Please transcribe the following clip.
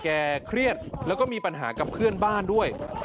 เครียดแล้วก็มีปัญหากับเพื่อนบ้านด้วย